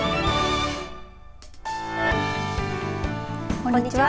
こんにちは。